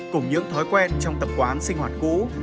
cùng những thói quen trong tập quán sinh hoạt cũ